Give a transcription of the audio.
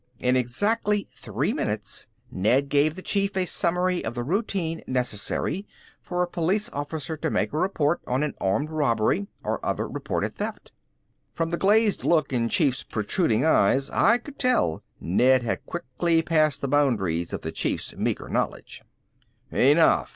In exactly three minutes Ned gave the Chief a summary of the routine necessary for a police officer to make a report on an armed robbery or other reported theft. From the glazed look in Chief's protruding eyes I could tell Ned had quickly passed the boundaries of the Chief's meager knowledge. "Enough!"